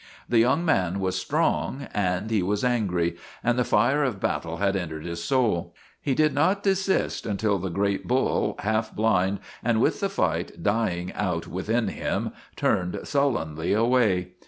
The young man was strong, he was angry, and the fire of battle had entered his soul. He did not de 266 LORNA OF THE BLACK EYE sist until the great bull, half blind and with the fight dying out within him, turned sullenly away.